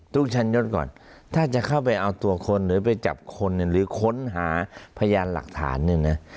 ชันยศก่อนถ้าจะเข้าไปเอาตัวคนหรือไปจับคนหรือค้นหาพยานหลักฐานเนี่ยนะ